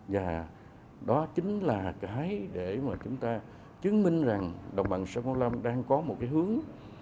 và đó chính là cái để mà chúng ta chứng minh rằng đồng bằng sông cổ long đang có một cái hướng